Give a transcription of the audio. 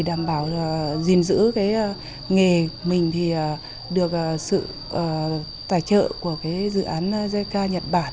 đảm bảo là gìn giữ cái nghề mình thì được sự tài trợ của cái dự án jk nhật bản